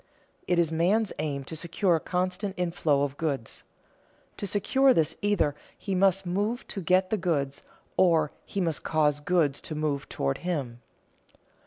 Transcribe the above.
It is man's aim to secure a constant inflow of goods. To secure this either he must move to get the goods, or he must cause goods to move toward him.